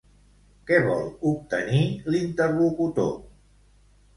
Què vol obtenir l'interlocutor?